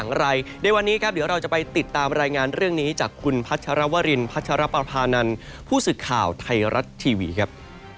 อย่างไรในวันนี้ครับเดี๋ยวเราจะไปติดตามรายงานเรื่องนี้จากคุณพัชรวรินพัชรปภานันผู้สื่อข่าวไทยรัฐทีวีครับ